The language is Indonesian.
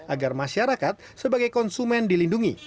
agar masyarakat sebagai konsumen dilindungi